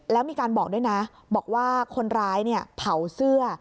แล้วมีการบอกด้วยนะบอกว่าคนร้ายเผาเสื้อ